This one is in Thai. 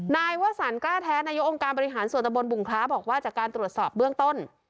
นายวสันกล้าแท้นายกองค์การบริหารส่วนตะบนบุงคล้าบอกว่าจากการตรวจสอบเบื้องต้น